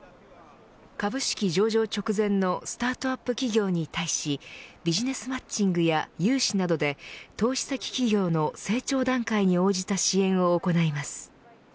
株式上場直前のスタートアップ企業に対しビジネスマッチングや融資などで投資先企業の成長段階に応じた支援を行います。